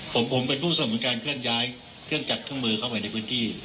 ผมเป็นผู้สนุนการเคลื่อนย้ายเครื่องจักรเครื่องมือเข้าไปในพื้นที่